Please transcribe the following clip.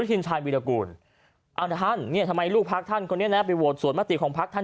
เอาไปฟังครับ